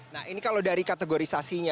nah ini kalau dari kategorisasinya